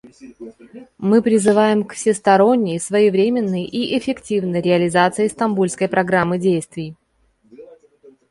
Мы призываем к всесторонней, своевременной и эффективной реализации Стамбульской программы действий.